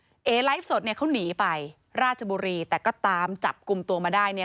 ไอไลฟ์สดเขาหนีไปราชบุรีแต่ก็ตามจับกลุ่มตัวมาได้